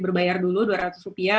berbayar dulu dua ratus rupiah